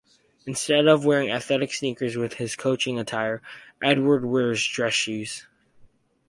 Instead of wearing athletic sneakers with his coaching attire, Edwards wears dress shoes.